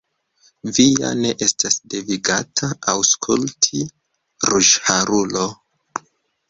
Vi ja ne estas devigata aŭskulti, ruĝharulo.